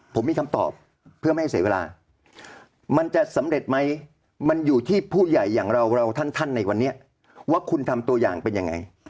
ผมมีคำตอบเพื่อไม่ให้เสียเวลามันจะสำเร็จไหมมันอยู่ที่ผู้ใหญ่อย่างเราเราท่านในวันนี้ว่าคุณทำตัวอย่างเป็นยังไง